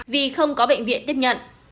vì không có bệnh viện tiếp nhận